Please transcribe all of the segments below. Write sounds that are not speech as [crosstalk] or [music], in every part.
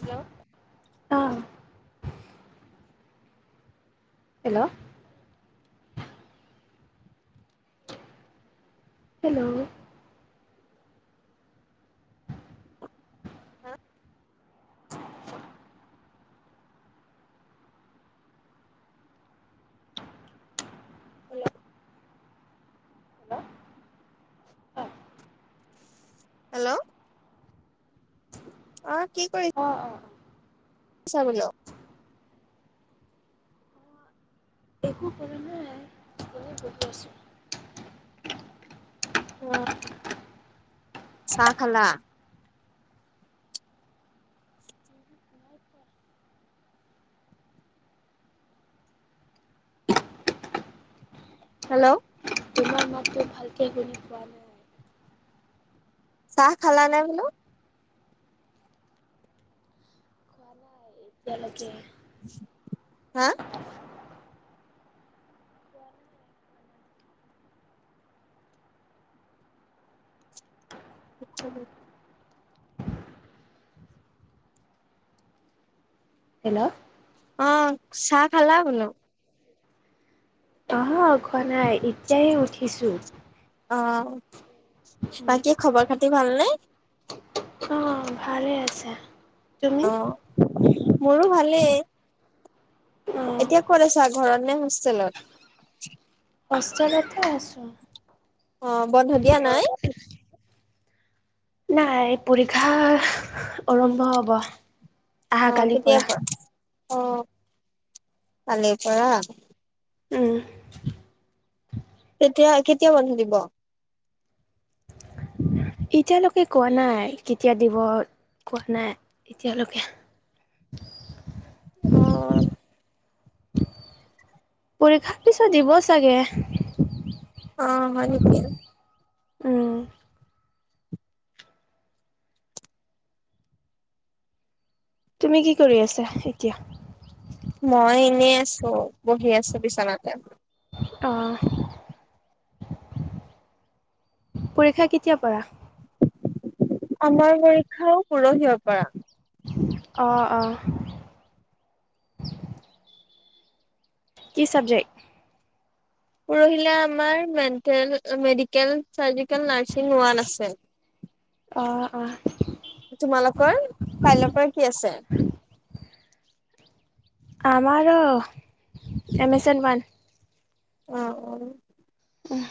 Hello, অ', hello, hello, hello hello, hello, অ, কি কৰিছ চা বুলো। একো প নাই ম গধ আছো। উম, চাহ খালা? আচ্ছা। হেল্ল'। তোমাৰ মাততো ভালকে শুনি পোৱা নাই। চাহ খালা নে বোলো? যেলকে। হা? নিচএ। [unintelligible] হেল্ল', অ, চাহ খালা বোলো। অ ঘনাই এতিয়াই উঠিছোঁ। অঁ, বাকী খবৰ খাতি ভালনে? অঁ ভালেই আছে। অ মোৰো ভালেই। অ এতিয়া ক'ত আছা ঘৰত নে হোষ্টেলত। কষ্ট কতে আছোঁ। অ বন্ধ। দিয়া নাই? ৰবা দেই। নাই পৰীক্ষা, আৰম্ভ হ'ব। অ কেতিয়াৰ পৰা? অ কালিৰ পৰা। উম। তেতিয়া কেতিয়া বন্ধ দিব। এতিয়ালৈকে কোৱা নাই কেতিয়া দিব কোৱা নাই এতিয়ালৈকে। অঁ। পৰীক্ষাৰ পিছত দিব চাগে। অঁ হয় নেকি। উম। তুমি কি কৰি আছা এতিয়া? মই এনেই আছো বহি আছো বিচনাতে। অহ, পৰীক্ষা কেতিয়া পৰা? আমাৰ পৰীক্ষাও পৰহিয় পৰা। অ অ। কি চাবজেক্ট। পৰহিলা আমাৰ মেটেল মেডিকেল চাৰজিকেল নাৰছিং হোৱা নাছিল। অহ অহ। তোমালোকৰ কাইলৈৰ পৰা কি আছে? আমাৰো এমেজন ওৱান। অঁ অঁ। উম হ।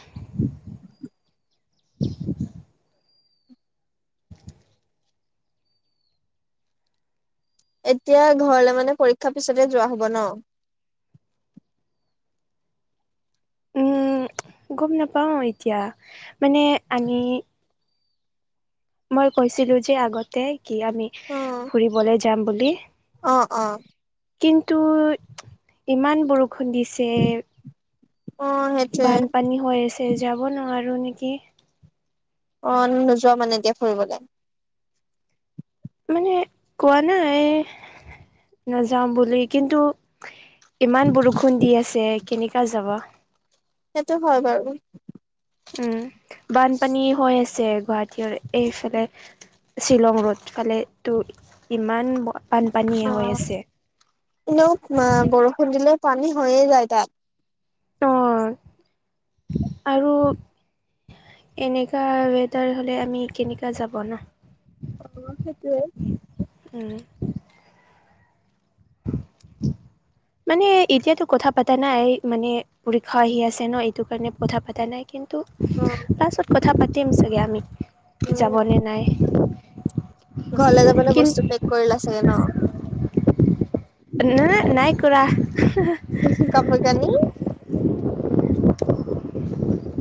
এতিয়া ঘৰলে মানে পৰীক্ষা পিছতে যোৱা হব ন? উম, গম নাপাওঁ এতিয়া মানে আমি মই কৈছিলো যে আগতে কি আমি ফুৰিবলৈ যাম বুলি। অঁ অঁ। কিন্তু ইমান বৰষুণ দিছ তে, অ', সেইটোয়ে বানপানী হৈ আছে যাব নোৱাৰো নিকি? অঁ নোযোৱা মানে এতিয়া ফুৰিবলে? মানে কোৱা নাই নাযাওঁ বুলি কিন্তু ইমান বৰষুণ দি আছে কেনেকুৱা যাব? সেইটো হয় বাৰু। উম, বানপানী হৈ আছ যে গুৱাহাটীৰ। এইফালে শ্বিলং ৰ'ড ফালেতো ইমান বানপানীয়ে হৈ অ', আছে। এনেও আ বৰষুণ দিলে পানী হয়ে যায় তাত। অ [inaudible] আৰু এনেকা ৱেডাৰ হ'লে আমি কেনেকা যাব ন? অঁ সেইটোৱে। উম। [inaudible] মানে এতিয়াতো কথা পাতা নাই মানে পৰীক্ষা আহি আছে ন, এইটো কাৰণে কথা পাতা নাই। কিন্তু অ', ক্লাছত কথা পাতিম চাগে আমি যাব উম, নে? নাই। ঘৰলে যাবলৈ কিন বস্তু পেক কৰিলা চাগে ন? নাই, নাই কৰা [unintelligible] কাপোৰকানি।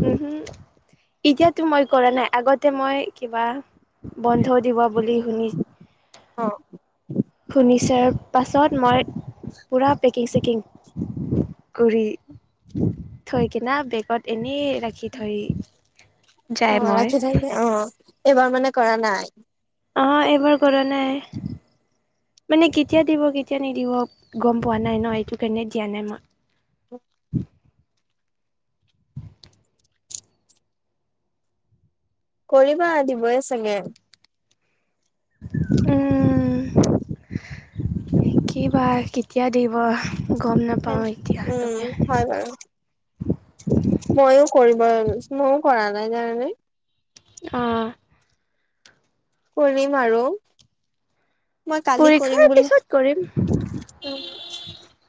উম হুম। এতিয়াতো মই কৰা নাই আগতে মই কিবা বন্ধ দিব বুলি শুনি অ'। শুনিছাৰ পাছত মই পূৰা পেকিং চেকিং কৰি থৈ কিনা বেগত এনেই ৰাখি থৈ যায় অ', মই ৰাখি থৈকিনে অ', এইবাৰ মানে কৰা নাই? অ', এইবাৰ কৰা নাই। মানে কেতিয়া দিব কেতিয়া নিদিব গম পোৱা নাই ন, এইটো কাৰণে দিয়া নাই মই। কৰিবা, দিবই চাগে। উম, কি বা কেতিয়া দিব। গম নাপাওঁ [unintelligible] এতিয়ালৈকে উম। হয় বাৰু, মইও কৰিব মইও কৰা নাই জানানে। অ'। কৰিম আৰু, মই কালি কৰিম পৰীক্ষাৰ বুলি পিছত কৰিম উম।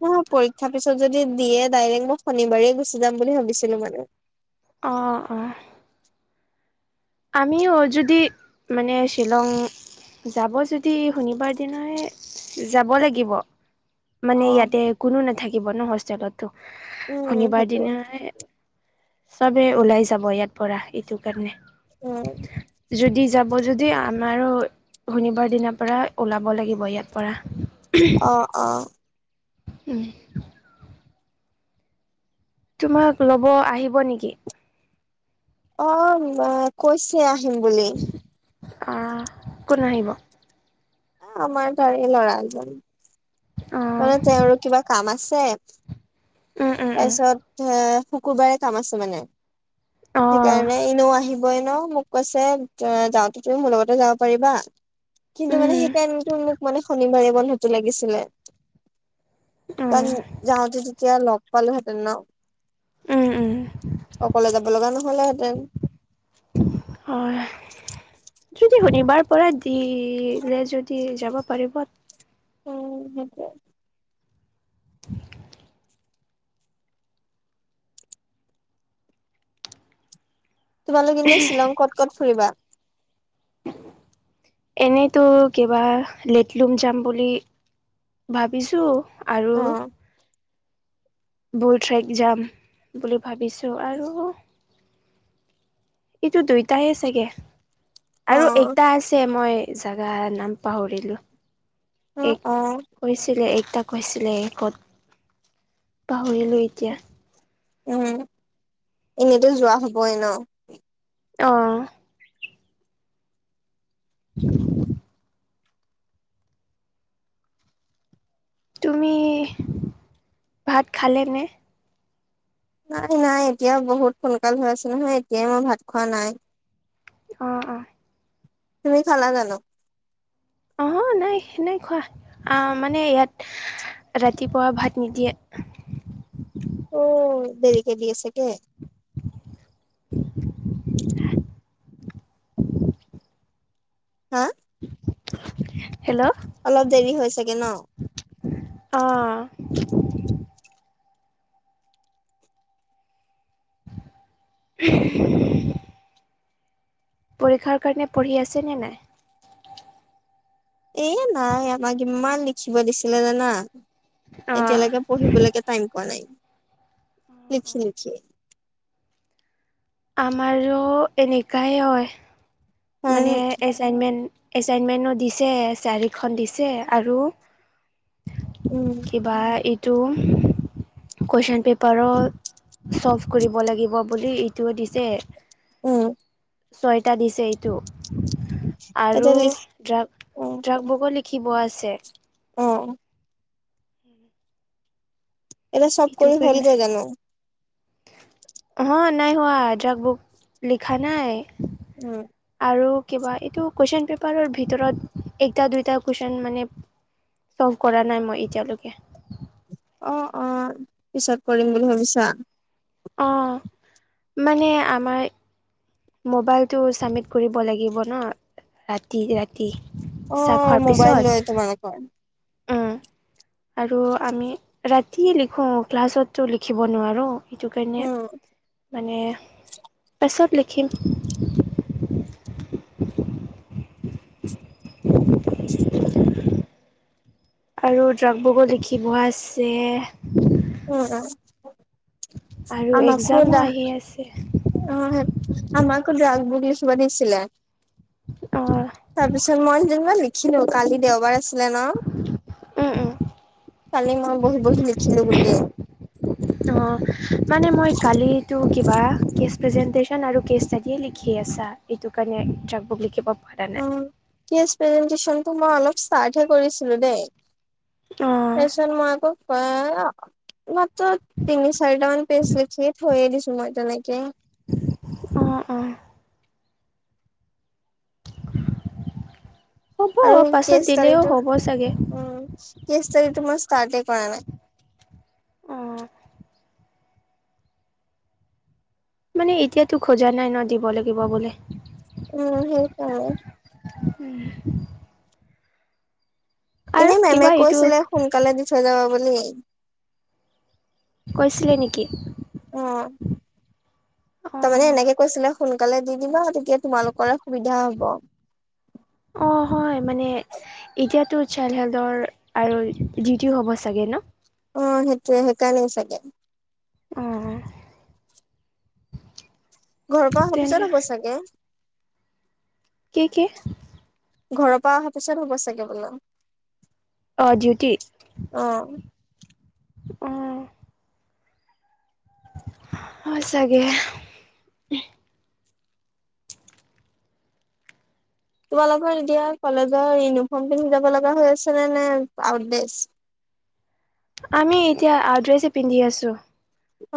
মই পৰীক্ষা পিছত যদি দিয়ে ডাইৰেক্ট মই শনিবাৰে গুচি যাম বুলি ভাবিছিলো মানে। অ', অ'। আমিও যদি মানে শ্বিলং যাব যদি শনিবাৰ দিনাই যাব লাগিব। অ মানে ইয়াতে কোনো নাথাকিব ন হোষ্টেলতো, উম শনিবাৰ সেইটো দিনা এ চবে ওলাই যাব ইয়াৰ পৰা এইটো কাৰণে, উম যদি যাব যদি আমাৰো শনিবাৰ দিনাৰ পৰা ওলাব লাগিব ইয়াৰ পৰা। অ', অ'। উম। তোমাক ল'ব আহিব নিকি। অ', ম কৈছে আহিম বুলি। অ', কোন আহিব। আমাৰ তাৰে ল'ৰা এজন। অ ক'লে তেওঁৰো কিবা কাম আছে, উম উম উম তাৰপিছত [unintelligible] শুকুৰবাৰে কাম আছে মানে। অ সেইকাৰণে এনেও আহিবই ন, মোক কৈছে এ যাওঁতে তুমি মোৰ লগতে যাব পাৰিবা। কিন্তু মানে উম সেইকাৰণেটো মোক মানে শনিবাৰে বন্ধটো লাগিছিলে। উম কাৰণ যাওঁতে তেতিয়া লগ পালোহেঁতেন ন। উম উম অকলে যাব লগা নহলেহেঁতেন। হয়। যদি শনিবাৰ পৰা দি লে যদি যাব পাৰিব উম, সেইটোৱে। [inaudible] তোমালোক এনেই শ্বিলং ক'ত - ক'ত ফুৰিবা? এনেইতো কিবা লেটলুম যাম বুলি ভাবিছো আৰু অ বুল ট্ৰেক জাম বুলি ভাবিছো আৰু এইটো দুইটাই চাগে অ আৰু এইটা আছে মই জেগা নাম পাহৰিলো, অ এই অ কৈছিলে এই তাক কৈছিলে ই ক'ত পাহৰিলেই। উম, এনেতো যোৱা হবই ন? অ', জ [inaudible] তুমি ভাত খালে নে? নাই -নাই এতিয়াও বহুত সোনকাল হৈ আছে নহয় এতিয়াই মই ভাত খোৱা নাই। অ ', অ', তুমি খালা জানো? অ, নাই - নাই খোৱা আহ মানে ইয়াত ৰাতিপুৱা ভাত নিদিয়ে। অ, দেৰিকে দিয়ে ছাগে। [inaudible] হা? হেল্ল', অলপ দেৰি হৈ চাগে ন। অ', [unintelligible] পৰীক্ষাৰ কাৰণে পঢ়ি আছে নে নাই? এ নাই আমাক ইমান লিখিব দিছিলে জানা অ', এতিয়ালৈকে পঢ়িব বলৈকে তাইম পোৱা নাই লিখি - লিখি। আমাৰো এনেকুৱাই হয় কাৰণ মানে এ এচাইনমেণ্ট, এচাইনমেন্ট দিছে চাৰিখন দিছে আৰু উম কিবা এইটো কুৱেশ্যন পেপাৰত ছল্ভ কৰিব লাগিব বুলি এইটো দিছে। উম, ছয়টা দিছে এইটো আৰু এতিয়া লিখ ড্ৰাগ অ - ড্ৰাগ বগলী খিব আছে। অ', এইবা চব এইটো কৰি কাৰণে হলগে জানো? অ, নাই হোৱা জাক বুক লিখা নাই। উম, আৰু কিবা এইটো কুৱেশচন পেপাৰৰ ভিতৰত একটা দুইটা কুৱেশচন মানে চলভ কৰা নাই মই এতিয়ালৈকে। অ', অ', পিছত কৰিম উম বুলি ভাবিছা? অ, মানে আমাৰ মোবাইলটো ছাবমিট কৰিব লাগিব ন ৰাতি - ৰাতি। অ, চাহ খোৱাৰ মোবাইল পিছত লয় তোমালোকৰ। উম আৰু আমি ৰাতিয়ে লিখো ক্লাছততো লিখিব নোৱাৰো। সেইটো কাৰণে উম মানে পাছত লিখিম। [inaudible] আৰু ড্ৰগ বুকো লিখিব আছে। উ'ম আৰু আমা এক্সামো খুদা আহি আছে [unintelligible] অ' আমাকো ড্ৰগবুক লিখিব দিছিলে। অ তাৰ পিছত মই যেনিবা লিখিলো কালি দেওবাৰ আছ দিলে ন, উম উম কালি মই বহী বহী লিখিলো গোটে। [inaudible] অ, মানে মই কালো কিবা কে প্ৰেটন আৰু কে লিখি আছা। এইটো কাৰণে যাকবুক লিখিব পৰা নাই। প্ৰেজেনটচনটো মই অলপ ষ্টাৰ্টে কৰিছিলো দেই। অঁ তাৰপিচত মই আকৌ প [unintelligible] মাত্ৰ তিনি চাৰিটামান পেইছ লিখি থৈয়ে দিছো মই তেনেকে। অ অ' হ'ব আৰু পাছত কেছ দিলেও তাৰিটো হ'ব চাগে উম। কেছ তাৰিটো মই ষ্টাৰ্টে কৰা নাই। অ মানে এতিয়াতো খোজা নাই ন দিব লাগিব বোলে। উম সেইকাৰণ। উম। আৰু এনেই মেমে কিবা এইটো কৈছিলে সোনকালে দি থৈ যাবা বুলি। কৈছিলে নেকি? অ তামানে অঁ এনেকে কৈছিলে, সোনকালে দি দিবা তেতিয়া তোমালোকৰে সুবিধা হ'ব। অ হয় মানে। এতিয়াতো চাইল্ড হেল্থৰ আৰু ডিউটিও হ'ব চাগে ন। অ' সেইটোয়ে সেইকাৰণে চাগে। অ অ ঘৰৰ পৰা অফিছত হব চাগে। কি কি ঘৰৰ পৰা অহা পিছত হ'ব চাগে বোলে। অ ডিউটি। অ উ'ম। হয় চাগে। তোমালোকৰ এতিয়া কলেজৰ ইউনিফৰ্ম পিন্ধি যাব লগা হৈ আছে নে নে আউট দেছ। আমি এতিয়া ড্ৰেছে পিন্ধি আছো।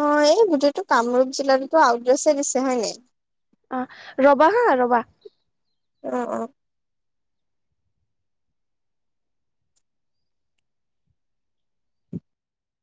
অ'এই গোটেইটো কামৰূপ জিলাতো আউড্ৰেছে দিছে হয় নাই। আ ৰবা হা ৰবা। অহ অহ